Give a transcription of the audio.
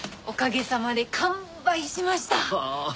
おかげさまで完売しました。